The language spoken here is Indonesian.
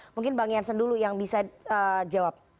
mungkin bang jansen dulu yang bisa jawab